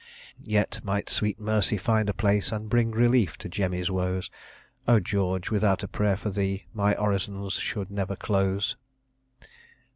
"Yet, might sweet mercy find a place, And bring relief to Jemmy's woes, O George! without a prayer for thee My orisons should never close.